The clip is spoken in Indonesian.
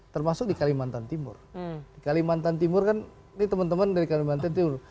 termasuk di kalimantan timur di kalimantan timur kan ini teman teman dari kalimantan timur